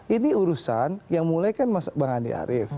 ini urusan yang mulai kan bang andi arief